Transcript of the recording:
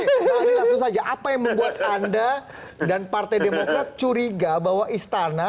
langsung saja apa yang membuat anda dan partai demokrat curiga bahwa istana